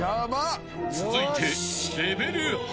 ［続いて］